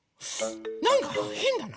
なんかへんだな？